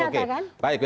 oke ternyata kan